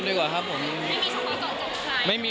ไม่มีเฉพาะเจาะเจาะใคร